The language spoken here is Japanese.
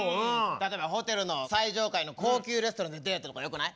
例えばホテルの最上階の高級レストランでデートとかよくない？